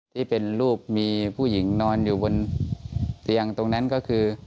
ที่เป็นรูปมีผู้หญิงนอนอยู่บนเตียงตรงนั้นก็คือ